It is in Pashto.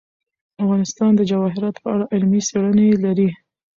افغانستان د جواهرات په اړه علمي څېړنې لري.